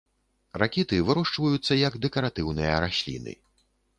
Ракіты вырошчваюцца як дэкаратыўныя расліны.